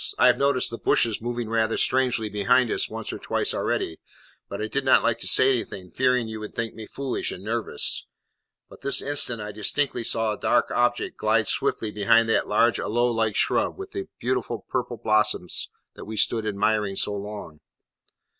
I have noticed the bushes moving rather strangely behind us once or twice already, but I did not like to say anything, fearing you would think me foolish and nervous; but this instant I distinctly saw a dark object glide swiftly behind that large aloe like shrub with the beautiful purple blossoms that we stood admiring so long."